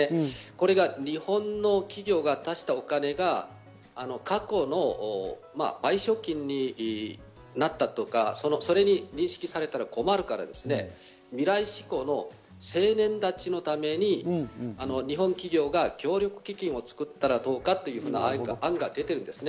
これが日本の企業が出したお金が過去の賠償金になったとか、それに認識されたら困るからですね、未来志向の青年たちのために、日本企業が協力基金を作ったらどうかというような案が出ています。